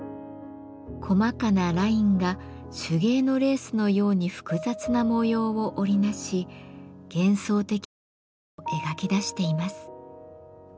細かなラインが手芸のレースのように複雑な模様を織り成し幻想的な馬車を描き出しています。